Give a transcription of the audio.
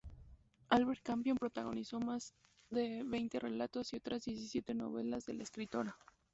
Albert Campion protagonizó más de veinte relatos y otras diecisiete novelas de la escritora.